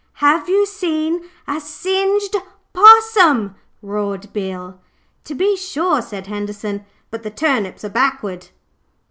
'Have you seen a SINGED POSSUM?' roared Bill. 'To be sure,' said Henderson, 'but the turnips are backward.'